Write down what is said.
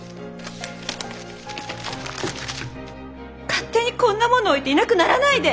勝手にこんなもの置いていなくならないで。